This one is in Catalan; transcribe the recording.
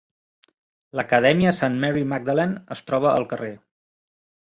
L'acadèmia Saint Mary Magdalene es troba al carrer.